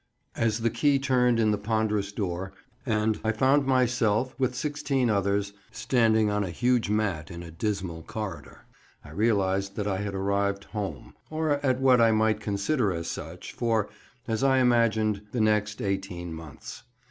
AS the key turned in the ponderous door, and I found myself, with sixteen others, standing on a huge mat in a dismal corridor, I realised that I had arrived "home," or at what I might consider as such, for—as I imagined—the next eighteen months.